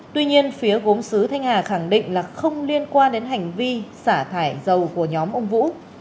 tuy nhiên phía gốm sứ thanh hà khẳng định là không liên quan đến hành vi xả thải dầu của nhóm ông vũ